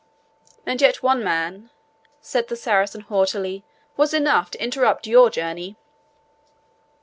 "And yet one man," said the Saracen haughtily, "was enough to interrupt your journey."